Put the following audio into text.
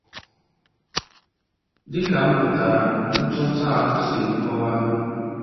Dịka mpụtara nchọcha ahụ siri kọwaa